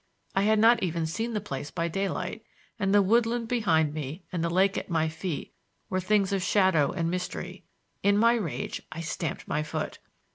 I had not even seen the place by daylight, and the woodland behind me and the lake at my feet were things of shadow and mystery. In my rage I stamped my foot.